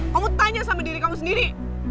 kamu tanya sama diri kamu sendiri